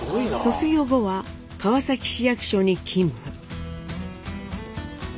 卒業後は川崎市役所に勤務。